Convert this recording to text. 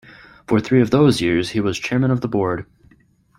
For three of those years he was chairman of the board.